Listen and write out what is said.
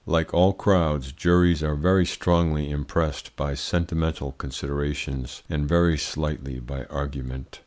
Like all crowds, juries are very strongly impressed by sentimental considerations, and very slightly by argument.